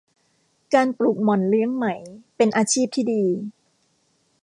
การปลูกหม่อนเลี้ยงไหม เป็นอาชีพที่ดี